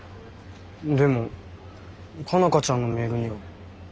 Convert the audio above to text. でも佳奈花ちゃんのメールには。